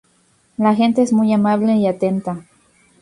La gente es muy amable y atenta.